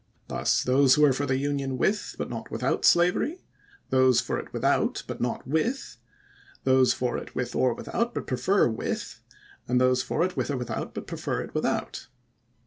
Thus, those who are for the Union tvith, but not tvitJiout, slavery — those for it without, but not uith — those for it ivith or without, but prefer it with — and those for it with or without, but prefer it idthout.